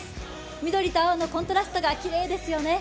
緑と青のコントラストがきれいですよね。